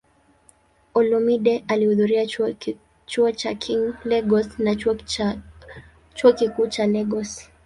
Olumide alihudhuria Chuo cha King, Lagos na Chuo Kikuu cha Lagos.